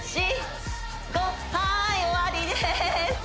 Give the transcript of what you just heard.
はい終わりです